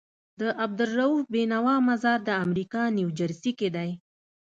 د عبدالروف بينوا مزار دامريکا نيوجرسي کي دی